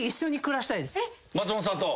松本さんと？